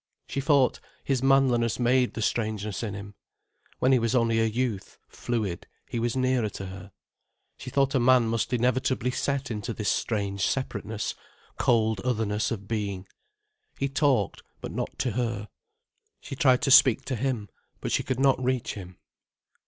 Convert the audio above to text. She thought his manliness made the strangeness in him. When he was only a youth, fluid, he was nearer to her. She thought a man must inevitably set into this strange separateness, cold otherness of being. He talked, but not to her. She tried to speak to him, but she could not reach him.